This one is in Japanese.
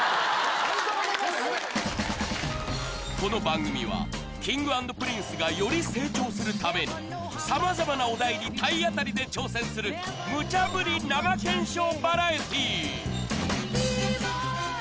この番組は、Ｋｉｎｇ＆Ｐｒｉｎｃｅがより成長するために、さまざまなお題に体当たりで挑戦する、むちゃぶり７テンションバラエティー。